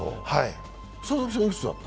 佐々木さんはいくつだった？